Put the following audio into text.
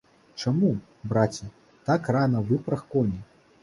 Чаму, браце, так рана выпраг коні?